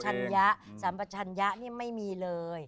สติสัมปชัญญะสัมปชัญญะนี่ไม่มีเลย